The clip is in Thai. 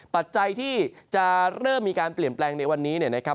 ปัจจัยที่จะเริ่มมีการเปลี่ยนแปลงในวันนี้เนี่ยนะครับ